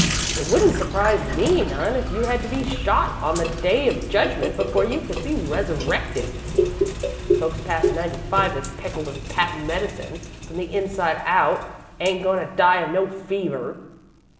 It wouldn't surprise me none if you had to be shot on the Day of Judgment before you could be resurrected. Folks past ninety five that's pickled in patent medicine from the inside out, ain't goin' to die of no fever."